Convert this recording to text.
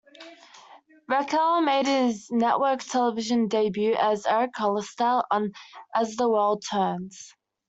Reckell made his network-television debut as Eric Hollister on "As the World Turns".